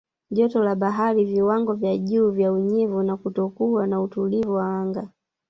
Joto la baharini viwango vya juu vya unyevu na kutokuwa na utulivu wa anga